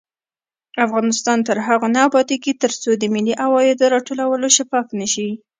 افغانستان تر هغو نه ابادیږي، ترڅو د ملي عوایدو راټولول شفاف نشي.